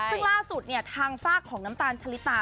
ซึ่งล่าสุดเนี่ยทางฝากของน้ำตาลชะลิตา